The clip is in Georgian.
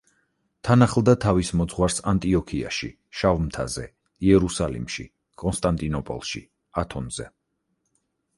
თან ახლდა თავის მოძღვარს ანტიოქიაში, შავ მთაზე, იერუსალიმში, კონსტანტინოპოლში, ათონზე.